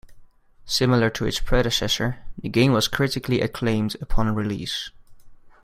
Similar to its predecessor, the game was critically acclaimed upon release.